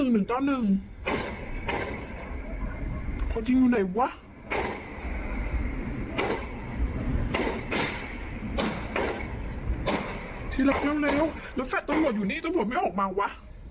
สวัสดีค่ะพี่คะในซ้ายค่าอิ่มี้มีคนยิงกันนะคะ